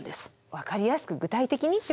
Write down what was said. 分かりやすく具体的にってことですね。